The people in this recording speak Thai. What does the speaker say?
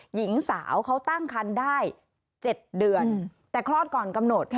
หญิงสาวเขาตั้งคันได้๗เดือนแต่คลอดก่อนกำหนด